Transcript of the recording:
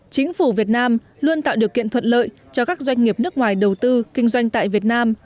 chính phủ việt nam luôn tạo điều kiện thuận lợi cho các doanh nghiệp nước ngoài đầu tư kinh doanh tại việt nam